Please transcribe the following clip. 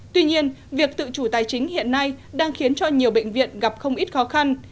tuy nhiên việc tự chủ tài chính hiện nay đang khiến cho nhiều bệnh viện gặp không ít khó khăn